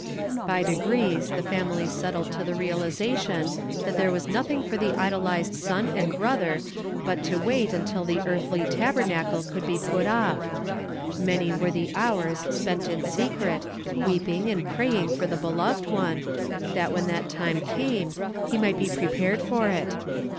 % 'legrees the fan.ily settled to the realization tha there was nothing for the idolized son and hro I.er bnt to ,vait tn.til the earthly tal«rnaele could be put off. Many were the hoL snent in seeret, weeping and praying for the beloved one, l.at when that tin>e eame, he might be prepared or It.